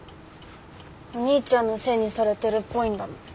お兄ちゃんのせいにされてるっぽいんだもん。